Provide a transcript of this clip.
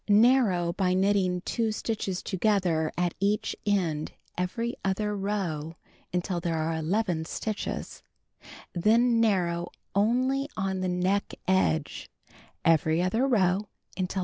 Narrow b}^ knitting 2 stitches to gether at each end every other row until there are 11 stitches; then narrow onlv on the neck edge, every other row DULL « 81LK